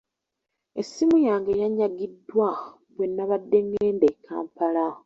Essimu yange yanyagiddwa bwe nabadde ngenda e Kampala.